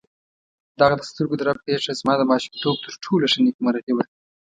دغه د سترګو د رپ پېښه زما د ماشومتوب تر ټولو ښه نېکمرغي وه.